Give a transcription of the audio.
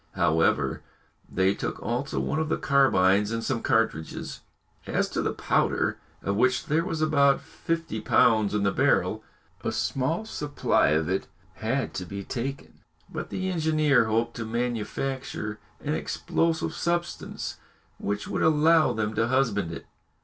However, they took also one of the carbines and some cartridges. As to the powder, of which there was about fifty pounds in the barrel, a small supply of it had to be taken, but the engineer hoped to manufacture an explosive substance which would allow them to husband it.